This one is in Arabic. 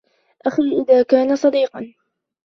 أَخِي إذَا كَانَ صَدِيقًا